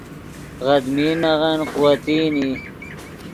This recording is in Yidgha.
غدمین نغن قوتین ای